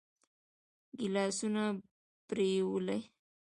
ګيلاسونه پرېولي.